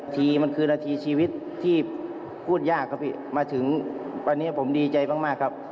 ทีมันคือนาทีชีวิตที่พูดยากครับพี่มาถึงวันนี้ผมดีใจมากครับ